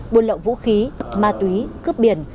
buôn lộng vũ khí ma túy cướp biển